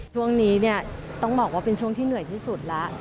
ช่วงนี้เนี่ยต้องบอกว่าเป็นช่วงที่เหนื่อยที่สุดแล้ว